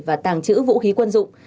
và tàng trữ vũ khí quân dụng